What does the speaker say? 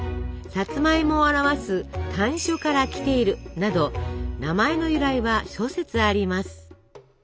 さつまいもを表す甘藷から来ているなど名前の由来は諸説あります。